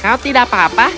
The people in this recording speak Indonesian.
kau tidak apa apa